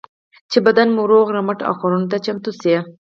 چې بدن مو روغ رمټ او کارونو ته چمتو شي.